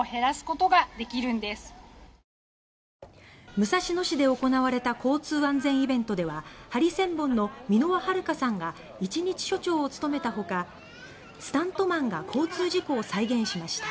武蔵野市で行われた交通安全イベントではハリセンボンの箕輪はるかさんが一日署長を務めたほかスタントマンが交通事故を再現しました。